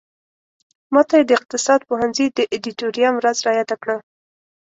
ماته یې د اقتصاد پوهنځي د ادیتوریم ورځ را یاده کړه.